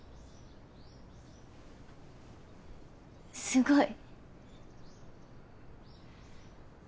すごい。